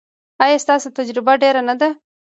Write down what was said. ایا ستاسو تجربه ډیره نه ده؟